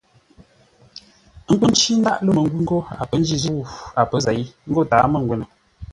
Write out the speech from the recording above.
Ə́ nkə̂ ncí ndáʼ lə́ məngwʉ̂ ńgó a pə̌ njî zə̂u a pə̌ zěi; ńgó tǎa mə́ngwə́nə.